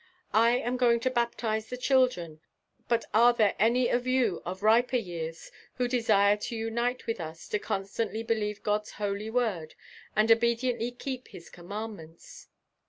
"I am going to baptize the children, but are there any of you of 'riper years' who desire to unite with us to 'constantly believe God's holy word, and obediently keep his commandments'?"